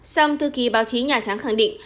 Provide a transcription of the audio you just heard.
xong thư ký báo chí nhà trắng khẳng định